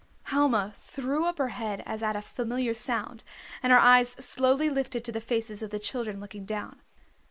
Helma threw up her head as at a familiar sound, and her eyes slowly lifted to the faces of the children looking down.